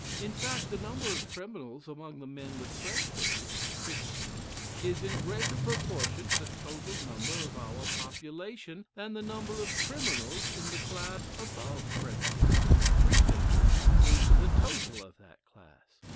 In fact, the number of criminals among the men with prejudices (Christians) is in greater proportion to the total number of our population, than the number of criminals in the class above prejudices (Freethinkers) is to the total of that class.